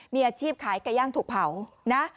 มีอาชีพขายไก่ย่างถูกเผานะ